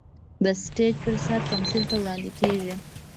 د سټېج پر سر تمثيل ته وړاندې کېږي.